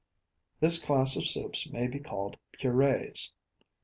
This class of soups may be called Purees.